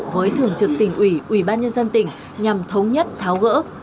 với thường trực tỉnh ủy ủy ban nhân dân tỉnh nhằm thống nhất tháo gỡ